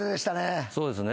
そうですね。